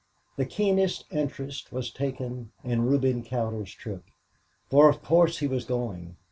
The keenest interest was taken in Reuben Cowder's trip for of course he was going.